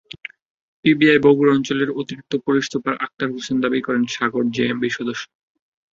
PBI Bogura অঞ্চলের অতিরিক্ত police super Akhtar Hossain দাবি করেন, সাগর জেএমবির সদস্য।